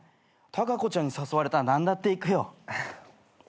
タカコちゃんに誘われたら何だって行くよ。